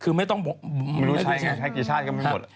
คือไม่ต้องไม่ต้องใช้ไม่รู้ใช้งานใช้กี่ชาติก็ไม่หมด